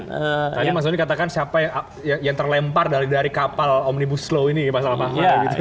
tadi mas doni katakan siapa yang terlempar dari kapal omnibus law ini pasal pasal